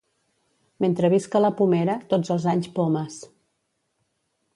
Mentre visca la pomera, tots els anys pomes.